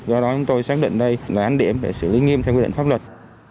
do đó chúng tôi xác định đây là án điểm để xử lý nghiêm theo quy định pháp luật